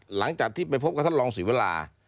หลังจากที่ไปพบกับท่านรองศรีวรา